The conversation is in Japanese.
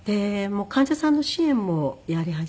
患者さんの支援もやり始めているという。